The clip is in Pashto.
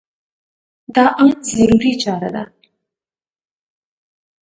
دا ان ضروري چاره ده.